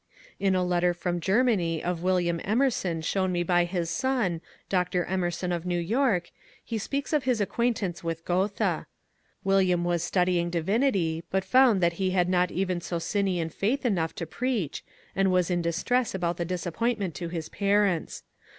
In a letter from Germany of William Emerson shown me by his son, Dr. Emerson of New York, he speaks of his acquaint ance with Goethe. William was studying divinity, but found that he had not even Socinian faith enough to preach, and was in distress about the disappointment to his parents.